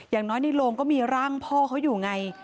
อย่างน้อยในโรงก็มีร่างพ่อเขาอยู่ไง